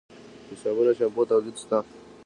د صابون او شامپو تولید شته؟